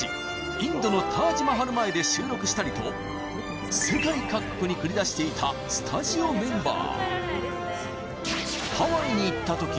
インドのタージ・マハル前で収録したりと世界各国に繰り出していたスタジオメンバー